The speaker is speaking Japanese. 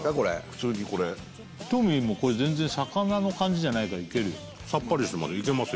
普通にこれトミーもこれ全然魚の感じじゃないからいけるよいけますいけます